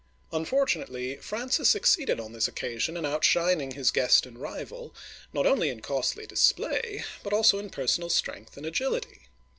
Unfortunately, Francis succeeded on this occasion in outshining his guest and rival, not only in costly display, but also in personal strength and agility.